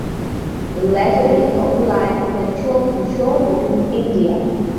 The latter is on the Line of Actual Control with India.